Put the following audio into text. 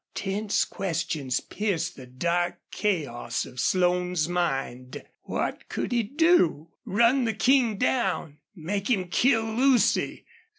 Tense questions pierced the dark chaos of Slone's mind what could he do? Run the King down! Make 'him kill Lucy!